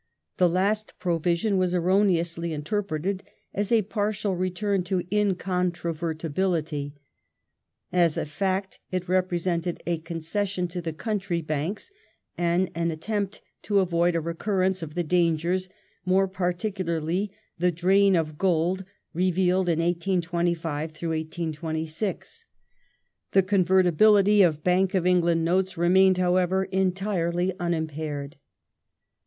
The last provision was erroneously interpreted as a partial return to incon vertibility. As a fact, it represented a concession to the country banks and an attempt to avoid a recurrence of the dangei s, more particularly the drain of gold, revealed in 1825 1826. The convertibility of Bank of England notes riemained, however, entirely unimpaired.